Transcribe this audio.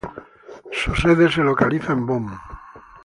Su sede se localiza en Bonn.